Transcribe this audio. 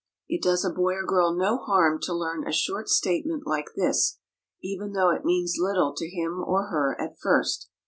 It does a boy or girl no harm to learn a short statement like this, even though it means little to him or her at first.